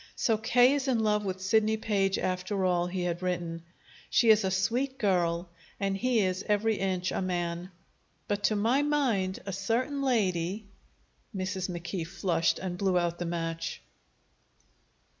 "So K. is in love with Sidney Page, after all!" he had written. "She is a sweet girl, and he is every inch a man. But, to my mind, a certain lady " Mrs. McKee flushed and blew out the match.